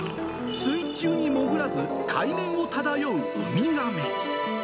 水中に潜らず、海面を漂うウミガメ。